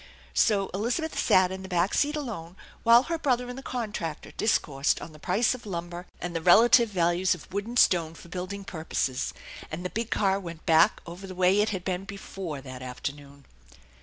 So Elizabeth sat in the back seat alone, while her brother and the contractor discoursed on the price of lumber and the relative values of wood and stone for building purposes, and the big car went back over the way it had been before that afternoon.